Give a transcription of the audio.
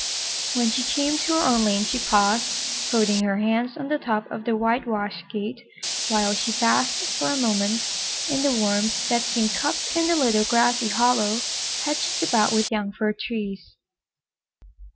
When she came to her own lane she paused, folding her hands on the top of the whitewashed gate, while she basked for a moment in the warmth that seemed cupped in the little grassy hollow hedged about with young fir trees.